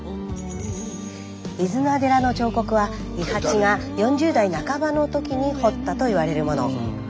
飯縄寺の彫刻は伊八が４０代半ばの時に彫ったといわれるもの。